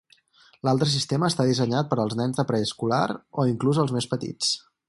L'altre sistema està dissenyat per als nens de preescolar o inclús els més petits.